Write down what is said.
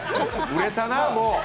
売れたな、もう。